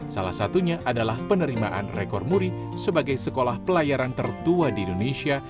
salah satunya adalah penerimaan rekor muri sebagai sekolah pelayaran tertua di indonesia